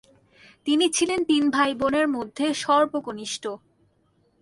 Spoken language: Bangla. তিনি ছিলেন তিন ভাইবোনের মধ্যে সর্বকনিষ্ঠ।